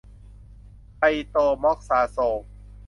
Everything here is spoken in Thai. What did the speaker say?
โคไตรม็อกซาโซล